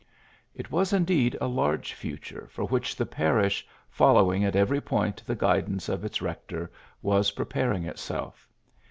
It was indeed a large future for which the parish, following at every point the guidance of its rector, was preparing itself.